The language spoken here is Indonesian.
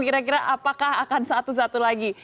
kira kira apakah akan satu satu lagi